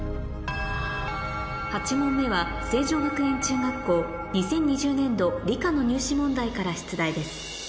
８問目は成城学園中学校２０２０年度理科の入試問題から出題です